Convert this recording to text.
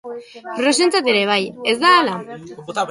Rosentzat ere bai, ez da hala?